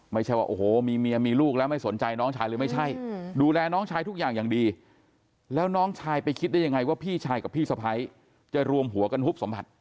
ไม่ใช่ว่าโอ้โหมีเมียมีลูกแล้วไม่สนใจน้องชายหรือไม่ใช่ดูแลน้องชายทุกอย่างอย่างดีแล้วน้องชายไปคิดได้ยังไงว่าพี่ชายกับพี่สะพ้ายจะรวมหัวกันหุบสมบัติ